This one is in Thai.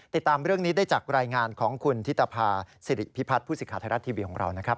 ติดตามเรื่องนี้ได้จากรายงานของคุณธิตภาษิริพิพัฒน์ผู้สิทธิ์ไทยรัฐทีวีของเรานะครับ